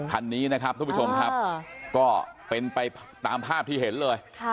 คันนี้นะครับทุกผู้ชมครับก็เป็นไปตามภาพที่เห็นเลย